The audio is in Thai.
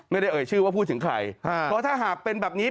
ไม่ได้เอิยชื่อว่าพูดถึงใครเพราะจะหากเป็นแบบนี้